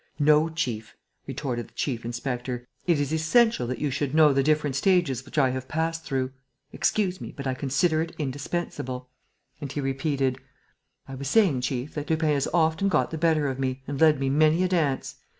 "No, chief," retorted the chief inspector, "it is essential that you should know the different stages which I have passed through. Excuse me, but I consider it indispensable." And he repeated: "I was saying, chief, that Lupin has often got the better of me and led me many a dance.